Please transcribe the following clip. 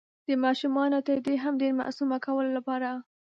د ماشومانو تر دې هم ډير معصومه کولو لپاره